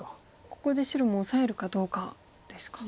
ここで白もオサえるかどうかですか。